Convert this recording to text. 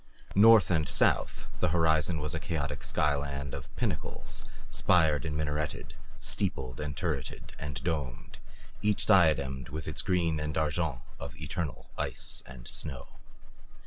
North and south, the horizon was a chaotic sky land of pinnacles, spired and minareted, steepled and turreted and domed, each diademed with its green and argent of eternal ice and snow.